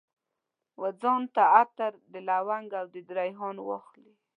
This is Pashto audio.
وځان ته عطر، د لونګ او دریحان واخلي